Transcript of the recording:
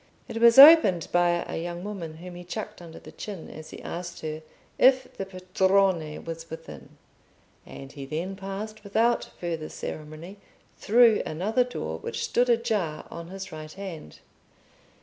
It was opened by a young woman whom he chucked under the chin as he asked her if the Padrone was within, and he then passed, without further ceremony, through another door which stood ajar on his right hand.